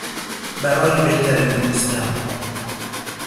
"برای بهترین دوستم. "